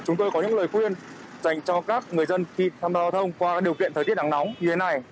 chúng tôi có những lời khuyên dành cho các người dân khi tham gia giao thông qua điều kiện thời tiết nắng nóng như thế này